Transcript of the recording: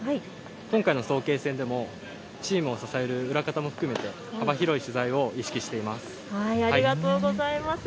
今回の早慶戦でもチームを支える裏方を含めて幅広い取材を意識しています。